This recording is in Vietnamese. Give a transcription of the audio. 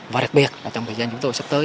và đặc biệt trong thời gian dũng tội sắp tới